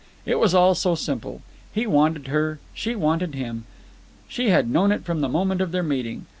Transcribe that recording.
It was all so simple. He wanted her; she wanted him. She had known it from the moment of their meeting.